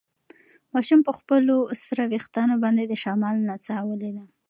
ماشوم په خپلو سره وېښتان باندې د شمال نڅا ولیده.